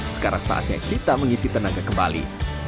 sekarang saatnya kita mengisi tenaga kembali